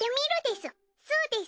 すうです。